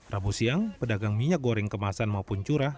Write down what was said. rabu siang pedagang minyak goreng kemasan maupun curah